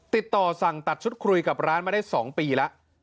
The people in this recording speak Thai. ติดต่อสั่งตัดชุดคุยกับร้านมาได้๒ปีแล้ว